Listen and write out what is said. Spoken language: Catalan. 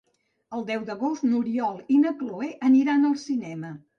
El deu d'agost n'Oriol i na Cloè aniran al cinema.